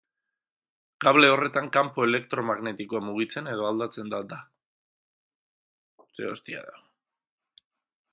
Kable horretan kanpo elektromagnetikoa mugitzen edo aldtzen da da.